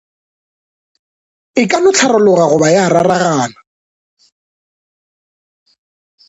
E ka no hlarologa goba ya raragana.